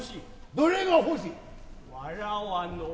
どれが欲しい。